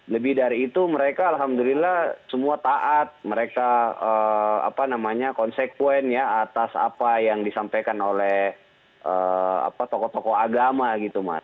lebih dari itu mereka alhamdulillah semua taat mereka apa namanya konsekuen ya atas apa yang disampaikan oleh tokoh tokoh agama gitu mas